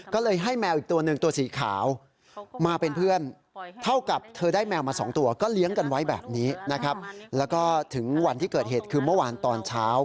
ก็เลยให้แมวอีกตัวนึงตัวสีขาว